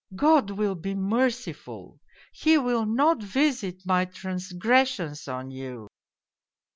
' God will be merciful, He will not visit my transgressions on you.'